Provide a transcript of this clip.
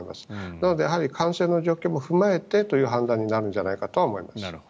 なので感染の状況も踏まえてという判断になるんじゃないかなと思います。